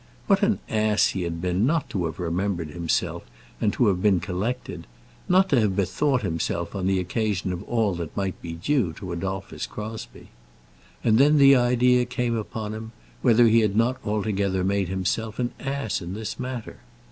What an ass he had been not to have remembered himself and to have been collected, not to have bethought himself on the occasion of all that might be due to Adolphus Crosbie! And then the idea came upon him whether he had not altogether made himself an ass in this matter.